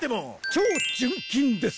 超純金です。